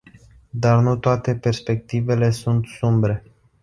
Dar nu toate perspectivele sunt sumbre.